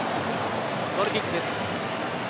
ゴールキックです。